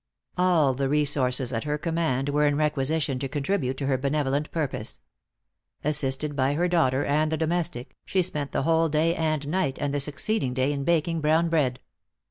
All the resources at her command were in requisition to contribute to her benevolent purpose. Assisted by her daughter and the domestic, she spent the whole day and night, and the succeeding day, in baking brown bread.